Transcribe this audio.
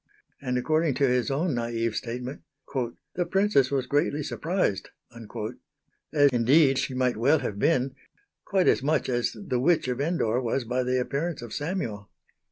and according to his own naïve statement "the Princess was greatly surprised," as indeed she might well have been quite as much as the witch of Endor was by the appearance of Samuel.